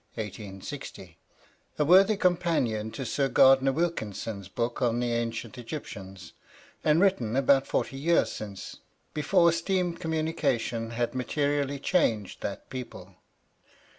1860), a worthy companion to Sir Gardner Wilkinson's book on the Ancient Egyptians, and written about forty years since, before steam communication had materially changed that people.